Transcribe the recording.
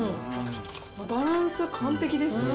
バランス完璧ですね。